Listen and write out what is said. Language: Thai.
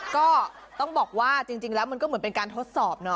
ก็ต้องบอกว่าจริงแล้วมันก็เหมือนเป็นการทดสอบเนาะ